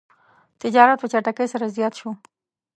تجارت په چټکۍ سره زیات شو.